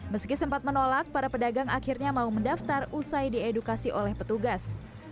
meski sempat menolak para pedagang akhirnya mau mendaftar usai diedukasi oleh petugas